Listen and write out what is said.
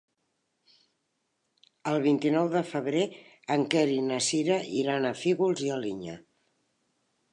El vint-i-nou de febrer en Quer i na Sira iran a Fígols i Alinyà.